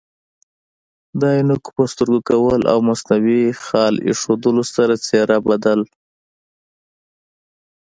د عینکو په سترګو کول او مصنوعي خال ایښودلو سره څیره بدل